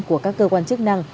của các cơ quan chức năng